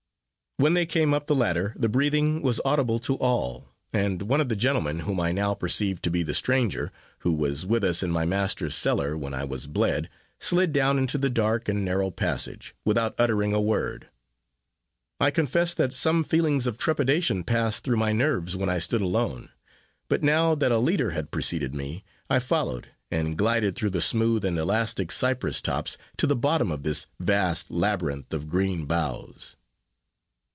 When they came up the ladder, the breathing was audible to all; and one of the gentlemen, whom I now perceived to be the stranger, who was with us in my master's cellar, when I was bled, slid down into the dark and narrow passage, without uttering a word. I confess that some feelings of trepidation passed through my nerves when I stood alone; but now that a leader had preceded me, I followed, and glided through the smooth and elastic cypress tops, to the bottom of this vast labyrinth of green boughs.